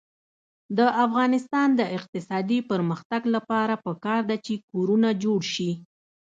د افغانستان د اقتصادي پرمختګ لپاره پکار ده چې کورونه جوړ شي.